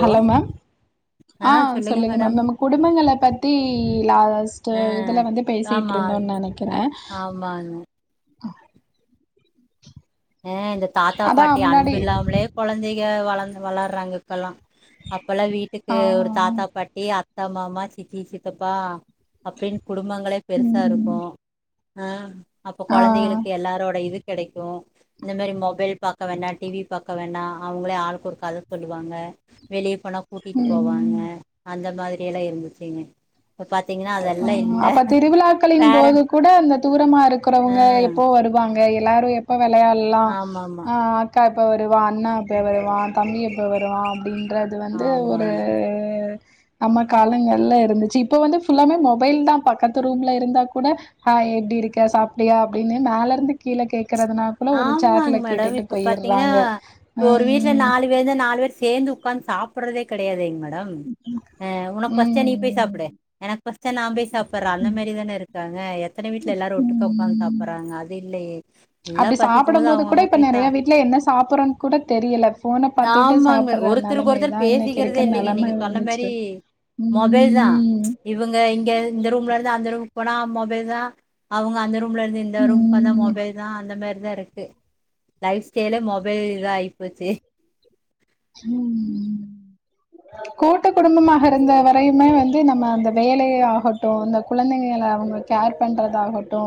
Hello ma'am ஆ சொல்லுங்க ma'am நம்ம குடும்பங்கள பத்தி லாஸ்ட் ஆ இதுல வந்து பேசிட்டு ஆமா இருந்தோன்னு நெனைக்கிற ஆமாங்க ஆஹ ம் இந்த தாத்தா அதா பாட்டி முன்னாடி அன்பு இல்லாமலே கொழந்திங்க ஏ வளர்ந் வளர்றாங்க இப்பெல்லா அப்பெல்லா வீட்டுக்கு ஆ ஒரு தாத்தா பாட்டி அத் அத்த மாமா சித்தி சித்தப்பா அப்டின்னு குடும்பங்களே பெருசா இருக்கு ம் அ அப்போ ஆ கொழந்திங்களுக்கு எல்லாரோட இது கெடைக்கு இந்த மாரி மொபைல் பாக்க வேணா டிவி பாக்க வேணா அவங்களே ஆளுக்கு ஒரு கத சொல்லுவாங்க வெளியே போனா கூட்டிட்டு போவாங்க ம் அந்த இந்த மாரியல்லா இருந்துச்சுங்க இப்ப பாத்தீங்கன்னா அதெல்லா இல்ல அப்ப திருவிழாக்களின் போது பேரன் கூட அந்த தூரமா இருக்கிறவங்க ஆ எப்போ வருவாங்க எல்லாரு எப்ப வெளயாடலா ஆமாமா. அ அக்கா எப்போ வருவா அண்ணா எப்போ வருவா தம்பி எப்போ வருவா அப்டின்னு றது வந்து ஒரு ஆமாங்க. நம்ம காலங்கள்ல இருந்துச்சு இப்ப வந்து ஃபுல்லாமே மொபைல் தா பக்கத்து ரூம்ல இருந்தா கூட ஹாய் எப்டி இருக்க சாப்டியா அப்டினு மேலருந்து கீழ கேக் ஆமாங் மேடம் இப்ப பாத்திங்கனா போயிர்றாங்க. இப்ப ஒரு வீட்ல ம். நாலு வேரு தா நாலு வேர் சேந்து உக்காந்து சாப்புட்றதே கெடயாதே [unintelligible] டம் அ உனக் பஸ்ச்சா நீ போய் சாப்டு ம். எனக் பஸ்ச்சா நா போய் சாப் புர்ர அந்த மேரி தானருக் க்காங்க எத் த்தன வீட்ல எல்லாரு ஒட்டுக்க உக்காந்து சாப்புறாங்க அது இல்லயே அப்டி சாப்படம்போது கூட இப்ப நெறய வீட்டுல என்ன சாப்புறோன் கூட தெரியல ஃபோன பாத்துட்டு ஆமாங்க. சாப்புற ஒருத்தருக்கு நிலம ஒருத்தர் இதா இன்னைக்கு பேசிக்கிறதே இருக்க இல்லைங்க. நெலம நீங்க சொன்ன வந்து மாரி ச்சு மொபைல் தான். ம் இப்ப னா மொபைல் தா அவங்க அந்த ரூ லருந்து இந்த ரூம்கு வந்தா ம். மொபைல் அந் மேரிதா இருக்கு லைஃப் ஸ்டைலே மொபைல் இதா ஆயிப்போச்சு ம் கூட்டு குடும்பமாகருந்த வரையுமே வந்து நம்ம அந்த வேலயே ஆகட்டு இந்த குழந்தைங்கள அவங்க கேர் பண்றதாகட்டு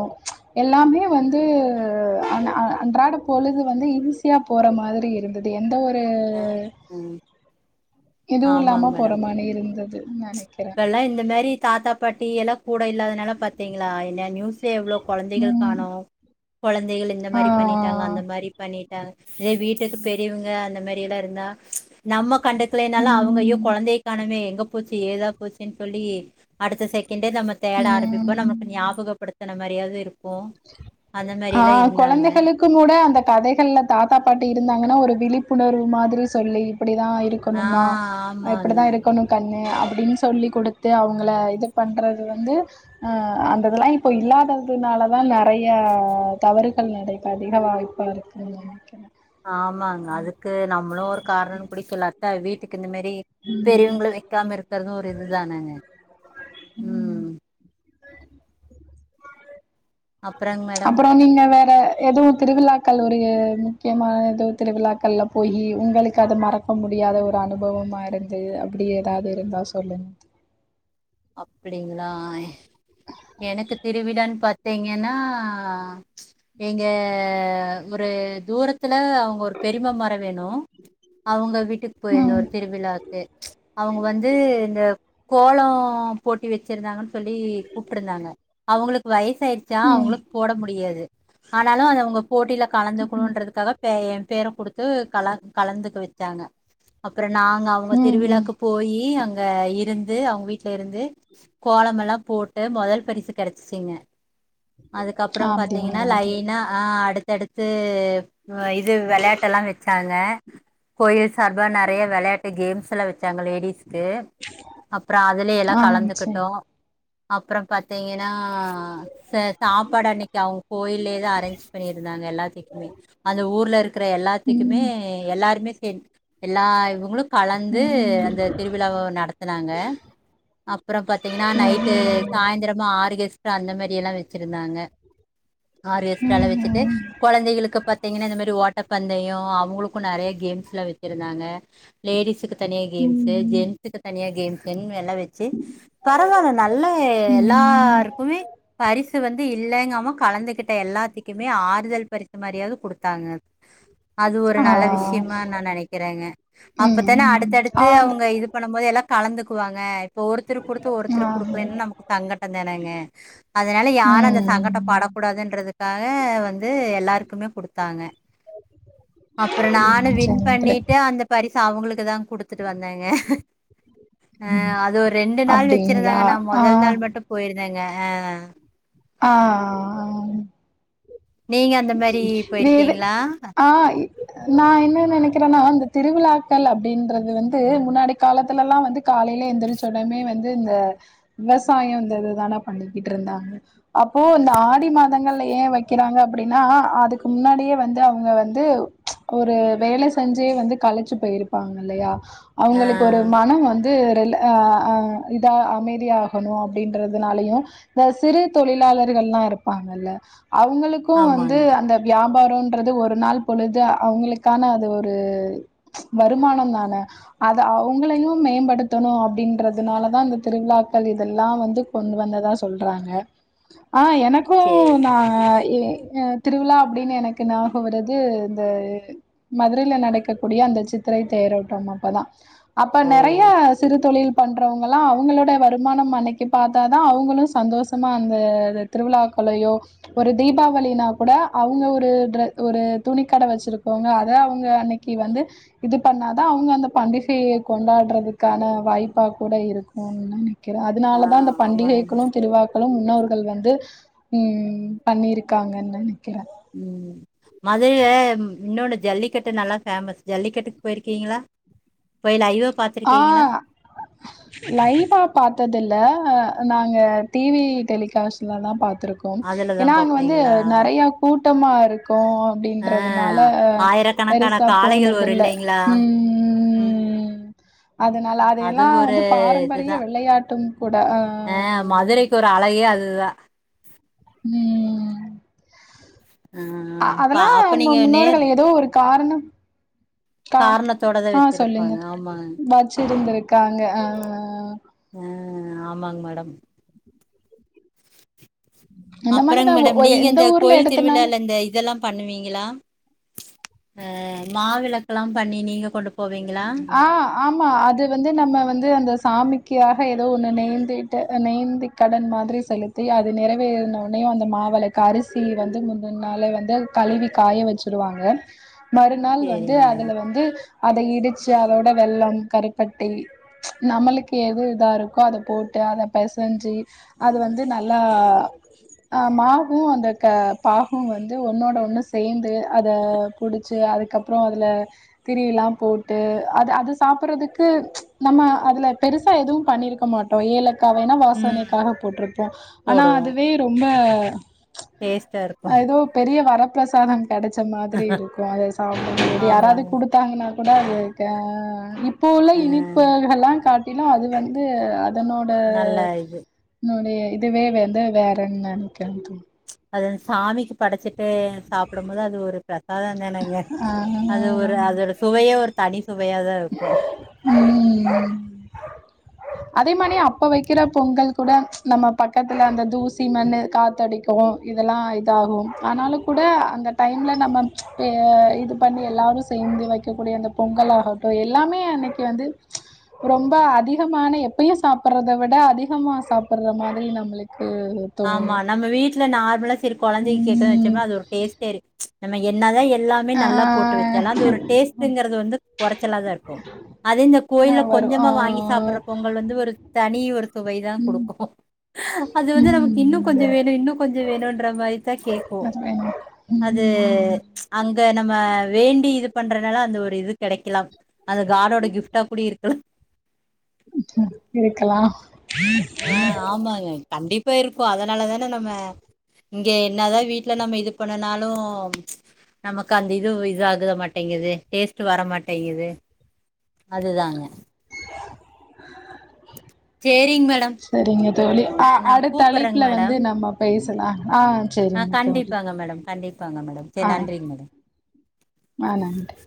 எல்லாமே வந்து அன் அ அன்றாட பொழுது வந்து ஈஸியா போற மாதிரி இருக்குது ஏ எந்த ஒரு ம் எதுவுல்லாம போற மாரி இருந்துது நெனைக் இப்பெல்லா இந்த மேரி தாத்தா பாட்டி எல்லா கூட இல்லாதனால பாத்தீங்ளா என்ன நியூஷே எவ்ளோ கொழந்தைகள் ம். காணோ கொழந்தைகள் இந்த ஆ. மரி பண்ணிட்டாங்க அந்த மாரி பண்ணிட்டாங்க இதே வீட்டுக்கு பெரியவங்க அந்த மேரி இதாருந்தா நம்மோ கண்டுக்லேனாலு அவங்க அய்யோ ம். கொழந்தைய காணுமே எங்க போச்சு ஏதா போ போச்சுன் சொல்லி அடுத்த செகன் கிட்டே நம்ம தேட ஆரம்பிப்போ ம் நமக்கு ஞாபகப்படுத் தன மாரியாது இருக் ஆ கொழந்தைகளுக் மூட அந்த கதைகள்ல தாத்தா பாட்டி டு ந்தாங்கனா ஒரு விழிப்புணர்வு மாதிரி சொல்லி இப்டிதா ஆ இருக்கணுமா அ ஆமாங்க இப்டித்தா இருக்கணு கண்ணு [unintelligible] அப்டின் சொல்லி குடுத்து அவங்கள இது பண்றது வந்து அ அந்த இதுல்லா இப்ப இல்லாததுனால தா நறைய தவறுகள் நடக் இப்ப அதிக வாய்ப்பாருக்குன் நெனைக்கிறே ஆமாங்க அதுக்கு நம்ளு ஒரு காரணோ [unintelligible] த வீட்டுக் இந்த மேரி பெரியவங்களு வெக்காம இருக்கிறது ஒரு இது தானாங்க ம் அப்புறங்க மேடம் அப்புற நீங்க வேற எதுவு திருவிழாக்கள் உரிய முக்கியமா எதோ திருவிழாக்கள்ல போயி உங்களுக்கு அத மறக்க முடியாத ஒரு அனுபவமா இருந்து அப்டி ஏதாவது இருந்தா சொல்லுங்க அப்படிங்களா எனக்கு தெர் விடன் பா்த்தீங்கன்னா ச் எங்க ஒரு தூரத் த்தில அவுங்க ஒரு பெரிமா மொற வேணு அவுங்க விட் ட்டுக்கு போயிருந்த ம் ஒரு திருவிழாக்கு ச் அவுங்க வந்து இந்த கோலோ ஆ போட்டி வெச்சிருந்தாங்கன் சொல்லி கூப்பிட்ருந்தாங்க அவுங்களுக்கு வயசு ஆயிருச்சா ம் அவுங்களுக் போட முடியாது ஆனாலு அத அவுங்க போட்டியில கலந்துக்கனுன்றதுக்காக ப எ பேர குடுத்து கல கலந்துக்க வெச்சாங்க அப்புறோ நாங்க அவுங்க ம் ம் திருவிழாக்கு போயி அங் க இருந்து அவுங்க வீட் ல இருந்து கோலமெல்லா போட்டு மொதல் பரிசு கெடச்சிசிங்க அதுக்கப்புறோ பாத்தீங்கனா அப்டிங்களா அது லைனா ஆ அடுத் தடுத்து இது வெளாட்டெல்லா வெச்சாங்க கோயில் சார்பா நெறைய வெளையாட்டு கேம்ஸ் எல்லா வச்சாங்க லேடிஸ் க்கு அப்றோ பிள்ளேய எல்லா ஆ சரி கலந்துகிட்டோ அப்றோ பாத்தீங்க னா சே சாப்பாடு அன்னிக்கு அவேங்க கோயிலயே தா அரேஞ்ச் பண்ணிருந்தாங்க எல்லாத்திக்மே அந்த ஊர்ல இருக் க்கற எல்லாத்திக்குமே ம் எல்லாருமே சேந் எல்லா இவுங்களு கலந்து ம் அந்த திருவிழாவ நடத்துனாங்க அப்றோ பாத்தீங்கனா நைட்டு சாய்ந்தரமா ஆற்கெஸ் ட்றா அந்த மேரியெல்லா வச்சிருந்தாங்க ஆறு கெஸ்டாராலா வெச்சுட்டு கொழந்தைகளுக்கு பாத்தீங்கனா இந்த மாரி வாட் டர் பந்தயோ அவுங்களுக்கு நெறையா கேம்ஸ்லா வெச்சிருந்தாங்க லேடிஸுக்கு தனியா கேம்ஸு ம் ம் ஜென்ஸுக்கு தனியா கேம்ஸுனு எல்லா வெ சி பரவால நல்ல ம் எல்லாருக்குமே பரிஸ் சு வந்து இல்லேங்காம கலந்துகிட்ட எல்லாத்திக்குமே ஆர் தல் பறித்த மாரியாது குடுத்தாங்க அது ஒரு ஆ நல்ல விஷ்யமா நா நெனைக்கிறேங்க அப்தான ம் ஆ அடுத்தடுத்து அந்த அவங்க இது பண்ணும் போது எல்லா கலந்துக்குவாங்க இப்ப ஒருத்தர் குடுத்து ஆ ஒருத்தர் குடுக்கலன்னா நமக்கு சங்கட்டோ தானங்க அதனால யாரும் அந்த ம் சங்கட்டோ படக்கூடாதுன்றது க்காக வந் து எல்லாருக்குமே குடுத்தாங்க அப்பறோ நானு ம் வின் சரிங்க தோழி பண்ணிட்டு அந்த பரிஸ் அவுங்களுக்கு தா குடுத்து ட்டு வந்தேங்க ஆ அது ஒரு ரெண்டு நாள் அப்டிங்களா வெச்சிருந்தாங்க நா ஆ மொதல் நாள் மட்டு போயிருந்தேங்க ஆ ஆ நீங்க அந்த மாரி இது து போயிருக்கீங்களா ஆ நா என்ன நெனக்கிற னா அந்த திருவிழாக்கள் அப்டின்றது வந்து முன்னாடி காலத்துலலா வந்து காலைல எந்துருச்ச ஒடமே வந்து இந்த விவசாயொ இந்த இதுதான பண்ணிக்கிட்ருந்தாங்க அப்போ இந்த ஆடி மாதங்கள்ல ஏ வெக்கிறாங்க அப்டின்னா அதுக்கு முன்னாடியே வந்து அவுங்க வந்து ஒரு வேல செஞ்சே வந்து கழச்சி போயிருப்பாங்கல்லையா ஆ அவுங்ளுக்கு ஒரு மனொ வந் து ரிலா ஆ ஆ இதா அமைதியாஹணு அப்டின்றதுனாலயு இந்த சிறு தொழிலாளர்கள்லா இருப்பாங்கல்ல அவுங்க பு வந்து ஆமாங்க அந்த வ்யா பாரோன்றது ஒரு நாள் பொழுது அவுங்களுக்கான அது ஒரு வருமானம் தான அது அவுங்களையு மேம்படுத்தணு அப்டின்றதுனாலதா இந்த திருவிழாக்கள் இதெல்லா வந்து கொண்டு வந்ததா சொல்றாங்க ஆ எனக்கு சேரிங்க நா ஏ ஆ திருவிழா அப்டின்னு எனக்கு ஞாபொ வர்றது இந்த மதுரையில நடக்கக்கூடிய அந்த சித்திரை தேரோட்டம்மப்பதா அப்ப ஓ நெறைய சிறு தொழில் பண்றவங்கல்லா அவுங்களோட வருமானம் மன்னைக்கி பாத்தா தா அவுங்களு சந்தோசமா அந்த த திருவிழாக்கொளையோ ஒரு தீபா வளினாக் கூட அவுங்க ஒரு ட்ர ஒரு துணி கட வச்சிருக்கவுங்க அத அவுங்க அன்னக்கி வந்து இது பண்ணாதா அவுங்க அந்த பண்டிகைய கொண்டாட்றதுக்கான வாய்ப்பா கூட இருக்குன் நென க்கிற ஆ அதுனால தா இந்த ஆமாங்க பண்டிகைகளு திருவ்ழா களு முன்னோர்கள் வந்து ம் பண்ணிர்க் காங்கன் நெனக்கிற ம் மதுரைல இன்னொன்னு ஜல்லிக்கட்டு நல்லா ஃபேமஸ் ஜல்லிக்கட்டுக் போயிருக்கீங்களா போய் லைவா ஆ பாத்துருக்கீங்களா லைவா பாத்ததில்ல நாங்க டிவி டெலிகாஸ்ட்ல தா பாத் இருக்கோம் அதுலதா ஏன்னா அங்க வந்து பாப்பீங்களா நிறைய கூட்டு கூட்டமார்க் இருக்கும் ஆ அப்படின்றதுனால ஆயிரக்கணக்கான பெருசா காளைகள் போனது வரு இல்ல இல்லைங்களா ம் ம் அதனால அது அதையெல்லாம் ஒரு வந்து பாரம்பரிய இதுதா விளையாட்டும் கூட ஆ துதான் ம் ஆ பா அதெல்லாம் அப்ப நீங்க நேர் முன்னோர்கள் ஏதோ ஒரு காரணம் கா காரணத்தோடதா ஆ சொல்லுங்க வச்சிருப்பாங்க ஆமாங்க வச்சுருந்திருக்கு இருக்காங்க ஆ ஆ ஆமாங்க மேடம் இந்த மாதிரி அப்புறங்க தான் ஒ- மேடம் ஒ- நீங்க எந்த இந்த ஊர்ல கோயில் எடுத்தனாலும் திருவிழால இந்த இதெல்லாம் பண்ணுவீங்களா ஆ மாவிளக்கெல்லாம் பண்ணி நீங்க கொண்டு போவீங்களா ஆ ஆமா அது வந்து நம்ம வந்து அந்த சாமி க்கியாக ஏதோ ஒண்ணு நேய்ந்திட்டு நேய்ந்தி கடன் மாதிரி செலுத்தி அது நிறைவேறினனையும் அந்த மாவளக்கு அரிசி வந்து முன்னன்னால வந்து கழுவி காய வச்சடுவாங்க மறுநாள் வந்து சேரிங்க மேடம் அதுல வந்து அதை இடிச்சு அதோட வெள்ளம் கருப்பட்டி நம்மளுக்கு எது இதா இருக்கோ அதை போட்டு அதை பிசைஞ்சு அது வந்து நல்லா மாகவும் அந்த பாகும் வந்து ஒன்னோட ஒண்ணு சேர்ந்து அதை பிடிச்சி அதுக்கப்பறம் அதில திரிலாம் போட்டு அது அது சாப்படுறதுக்கு நம்ம அதுல பெருசா எதுவும் பண்ணிருக்க மாட்டோம் ஏல க்கனா ம் வாசனைக்காக போட்டிருப்போம் ஆனா போடுவோ அதுவே ரொம்ப டேஸ்ட்டா இருக்கு [unintelligible] ஏதோ பெரிய வரம் பிரசாதம் கிடைச்ச மாதிரி இருக்கும் அத சாப்பிடும் போது யாராவது ஆமாங்க குடுத்தாங்கன்னா கூட அது இருக்கே இப்ப போல ஆ இனிப்புகள் எல்லாம் கட் அப்பனா அது வந்து தன்னோட நல்ல இது நொடி இதுவே வந்து வேறன்னு நினைக்க அது சாமி படைச்சிட்டு சாப்பிடும் போது அது ஒரு பிரசாதம் தானுங்க அது ஆ ஒரு அதோட சுவையே ஒரு தனி சுவையாதான் இருக்கும் ம் அதே மாதிரி அப்ப வைக்கிற பொங்கல் கூட நம்ம பக்கத்துல அந்த தூசி மண்ணு காத்தடிக்கும் இதெல்லாம் இதாகும் ஆனாலும் கூட அந்த டைம்ல நம்ம இது பண்ணி எல்லாரும் சேர்ந்து வைக்கக்கூடிய அந்த பொங்கலோட எல்லாமே அன்னைக்கு வந்து ரொம்ப அதிகமான எப்பயையும் சாப்படுறத விட அதிகமா சாப்பிடுற மாதிரி நம்மளுக்கு ம் தோணும் ஆமா நம்ம வீட்ல நார்மலா சரி குழந்தை கேட்டு ம் வச்சோம்னா அது ஒரு டேஸ்ட்டேயே நம்ம என்னாதான் எல்லாமே ஆ நல்லா போட்டு வச்ச அது ஒரு டேஸ்டுங்கிறது வந்து குறைச்சலா தான் இருக்கும் அது இந்த கோயில்ல வந்து வரும் ஆ கொஞ்சமா வாங்கி சாப்பிடுற பொங்கல் வந்து ஒரு தனி ஒரு சுவை தான் ம் கொடுக்கும் அது வந்து நமக்கு இன்னும் ம் கொஞ்சம் வேணும் இன்னும் கொஞ்சம் வேணும்ன்ற மாதிரி தான் கேட்கும் அது ம் அங்க நம்ம வேண்டி இது பண்றதுனால அந்த ஒரு இது கிடைக்கலாம் அது காடோட கிஃப்டா கூடி இருக்கலாம் இருக்கலா ஆ ஆமாங்க கண்டிப்பா இருக்கும் அதனாலதானே நம்ம இங்க என்னாதான் வீட்டுல நம்ம இது பண்ணனாலும் நமக்கு அந்த இது இது ஆக மாட்டேங்குது டேஸ்ட் வர மாட்டேங்குது அதுதாங்க சேரி சரிங்க தோழி ஆ அடுத்த சரிங்க கூப்பறேங்க தோழிஅழைப்புல வந்து மேடம் நம்ம பேசலாம் ஆ ஆ சரிங்க தோழி கண்டிப்பாங்க மேடம் கண்டிப்பாங்க மேடம் சரி ஆ நன்றிங்க மேடம் ஆ நன்றி